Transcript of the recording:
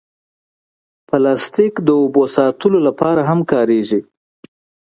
پلاستيک د اوبو ساتلو لپاره هم کارېږي.